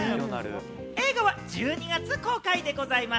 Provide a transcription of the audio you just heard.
映画は１２月公開でございます。